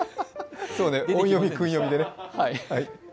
そうね、音読み、訓読みでね。